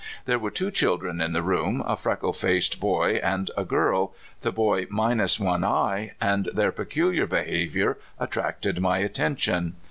There were two children in the room, a freckle faced boy and a girl, the boy minus an eye, and their peculiar behavior attracted my attention.